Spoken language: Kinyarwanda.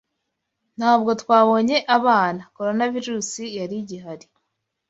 Ntabwo twabonye abana Coronavirus yari igihari.